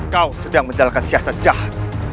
kau sedang menjalankan siasat jahat